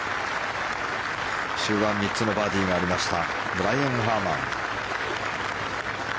終盤３つのバーディーがありましたブライアン・ハーマン。